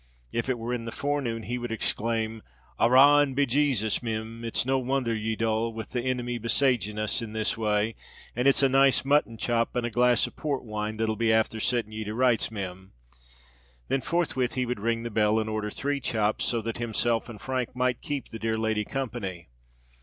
If it were in the forenoon, he would exclaim, "Arrah and be Jasus, Mim, it's no wonther ye're dull, with the inimy besaging us in this way: and it's a nice mutton chop and a glass of Port wine that'll be afther sitting ye to rights, Mim." Then forthwith he would ring the bell, and order three chops, so that himself and Frank might keep the dear lady company.